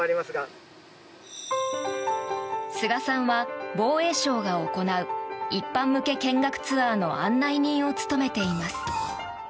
須賀さんは防衛省が行う一般向け見学ツアーの案内人を務めています。